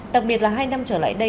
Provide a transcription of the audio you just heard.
đặc biệt là hai năm trở lại đây